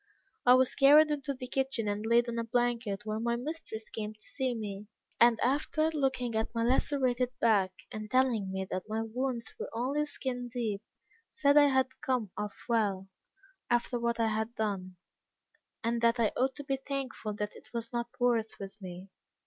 I was carried into the kitchen, and laid on a blanket, where my mistress came to see me; and after looking at my lacerated back, and telling me that my wounds were only skin deep, said I had come off well, after what I had done, and that I ought to be thankful that it was not worse with me.